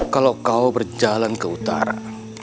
kalau kau berjalan ke utara